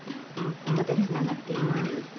糸でつながっています。